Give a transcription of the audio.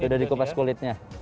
sudah dikupas kulitnya